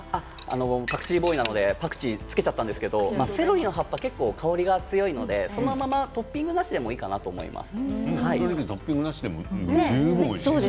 パクチーボーイなのでパクチーをつけちゃいましたがセロリの葉っぱ香りが強いのでトッピングとしてもいいかなと思います。